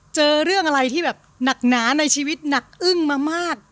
เจอเรื่องอะไรที่แบบหนักหนาในชีวิตหนักอึ้งมามาก